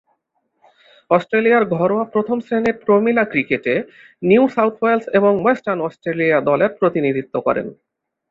অস্ট্রেলিয়ার ঘরোয়া প্রথম-শ্রেণীর প্রমিলা ক্রিকেটে নিউ সাউথ ওয়েলস এবং ওয়েস্টার্ন অস্ট্রেলিয়া দলের প্রতিনিধিত্ব করেন।